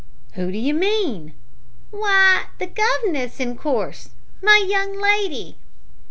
"Who do you mean?" "W'y, the guv'ness, in course my young lady."